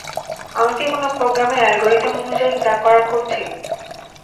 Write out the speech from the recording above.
আমরা কি কোনো প্রোগ্রামের অ্যালগরিদম অনুযায়ী যা করার করছি?